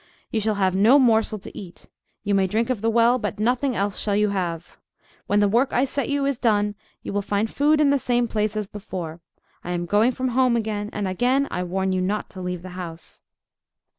"You shall have no morsel to eat. You may drink of the well, but nothing else you shall have. When the work I set you is done, you will find food in the same place as before. I am going from home again; and again I warn you not to leave the house."